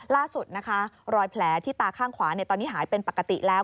ล่าสุดนะคะรอยแผลที่ตาข้างขวาตอนนี้หายเป็นปกติแล้ว